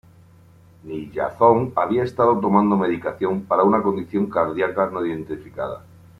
Nyýazow había estado tomando medicación para una condición cardíaca no identificada.